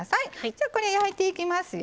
じゃこれ焼いていきますよ。